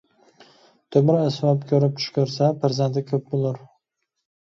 تۆمۈر ئەسۋاب كۆرۈپ چۈش كۆرسە پەرزەنتى كۆپ بولۇر.